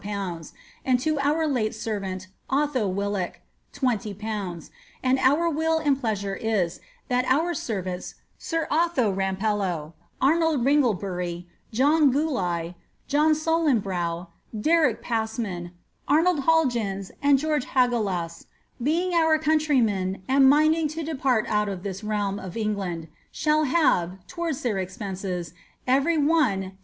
and to our late servant Otho Willicke, '^0/. ; and our will and pleasure is, that our ser^ ants, sir Oiho Rampello, Arnold Ringlebur} , John Guligh, John Solenbrough, Derrick Pasmao, Arnold Holgins, and George Hagaia^ being our countrjrmen, and mitiHing lo depart out of this realm of England, shall have, towards their expenses, every one 10